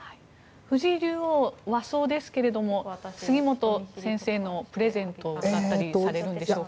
藤井竜王は和装ですが杉本先生のプレゼントだったりされるんでしょうか？